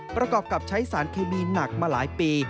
ประกอบกับใช้สารเคมีหนักมาหลายปี